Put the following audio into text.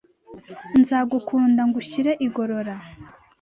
Nzagukunda ngushyire igorora